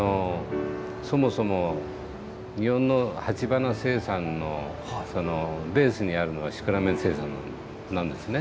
そもそも日本の鉢花生産のベースにあるのはシクラメン生産なんですね。